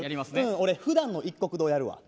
俺、ふだんのいっこく堂やるわ。